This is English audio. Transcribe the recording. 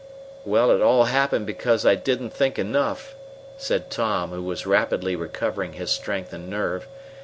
"Well, it all happened because I didn't think enough," said Tom, who was rapidly recovering his strength and nerve.